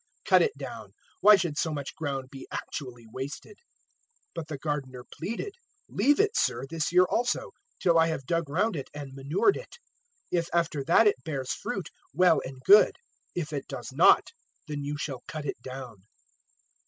Cut it down. Why should so much ground be actually wasted?' 013:008 "But the gardener pleaded, "`Leave it, Sir, this year also, till I have dug round it and manured it. 013:009 If after that it bears fruit, well and good; if it does not, then you shall cut it down.'"